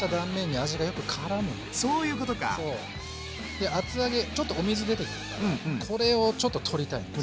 で厚揚げちょっとお水出てくるからこれをちょっと取りたいです。